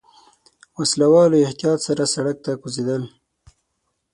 وسله والو احتياط سره سړک ته کوزېدل.